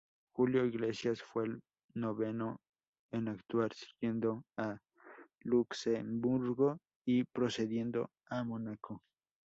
Julio Iglesias fue el noveno en actuar, siguiendo a Luxemburgo y precediendo a Mónaco.